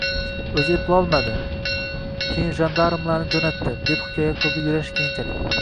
Oʻzi eplolmadi, keyin jandarmlarni joʻnatdi, – deb hikoya qildi Yurash keyinchalik.